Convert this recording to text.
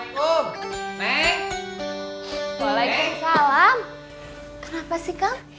kenapa sih kang